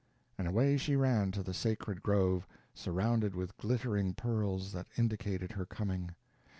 And away she ran to the sacred grove, surrounded with glittering pearls, that indicated her coming.